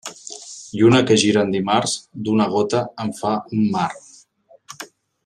Lluna que gira en dimarts, d'una gota en fa un mar.